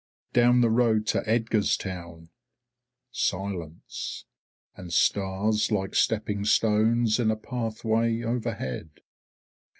Down the road to Edgarstown, silence and stars like stepping stones in a pathway overhead.